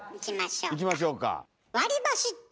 いきましょうか。